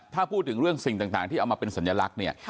ถ้าพูดถึงเรื่องสิ่งต่างที่เอามาเป็นสัญลักษณ์เนี่ย